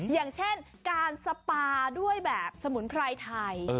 อย่างเช่นการสปาด้วยแบบสมุนไพรไทย